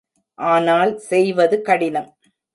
ஆனால் செய்வது கடினம்.